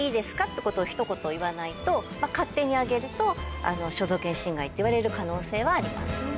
ってことをひと言言わないとまぁ勝手に上げると肖像権侵害って言われる可能性はありますね。